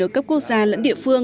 ở cấp quốc gia